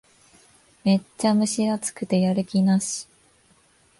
めっちゃ蒸し暑くてやる気なし